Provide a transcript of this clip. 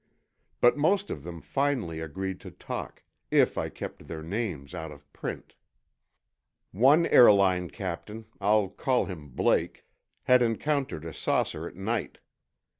But most of them finally agreed to talk, if I kept their names out of print. One airline captain—I'll call him Blake—had encountered a saucer at night.